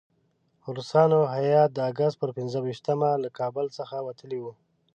روسانو هیات د اګست پر پنځه ویشتمه له کابل څخه وتلی وو.